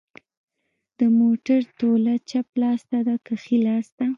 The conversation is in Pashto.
د موټر توله چپ لاس ته ده که ښي لاس ته